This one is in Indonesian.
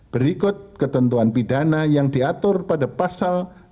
berikut ketentuan pidana yang diatur pada pasal